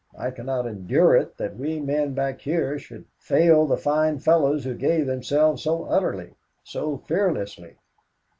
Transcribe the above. I cannot endure it that we men back here should fail the fine fellows who gave themselves so utterly, so fearlessly."